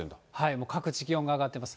もう各地、気温が上がってます。